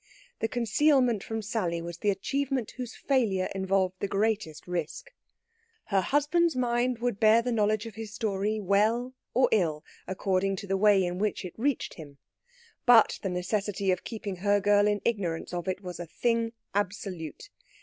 The concealment from Sally was the achievement whose failure involved the greatest risk. Her husband's mind would bear the knowledge of his story well or ill according to the way in which it reached him; but the necessity of keeping her girl in ignorance of it was a thing absolute.